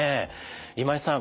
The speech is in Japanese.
今井さん